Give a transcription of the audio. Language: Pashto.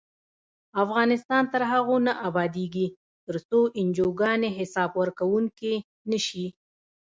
افغانستان تر هغو نه ابادیږي، ترڅو انجوګانې حساب ورکوونکې نشي.